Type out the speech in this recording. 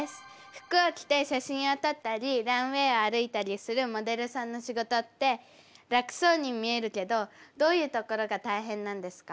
服を着て写真を撮ったりランウェイを歩いたりするモデルさんの仕事って楽そうに見えるけどどういうところが大変なんですか？